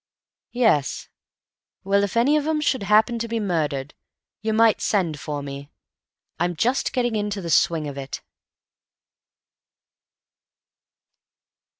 "Yes. Well, if any of 'em should happen to be murdered, you might send for me. I'm just getting into the swing of it."